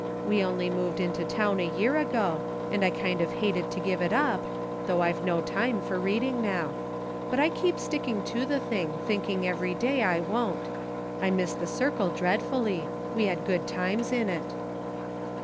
We only moved into town a year ago, and I kind of hated to give it up, though I've no time for reading now ; but I keep sticking to the thing, thinking every day I won't. I miss the circle dreadfully; we had good times in it."